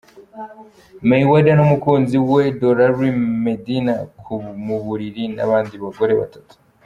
Mayweather n'umukunzi we Doralie Medina mu buriri n'abandi bagore batatu!.